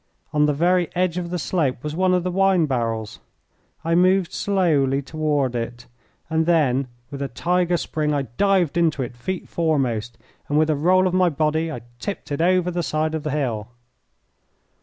On the very edge of the slope was one of the wine barrels. I moved slowly toward it, and then with a tiger spring I dived into it feet foremost, and with a roll of my body I tipped it over the side of the hill.